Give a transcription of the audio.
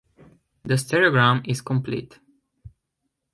The stereogram is complete.